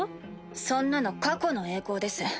そんなの過去の栄光です。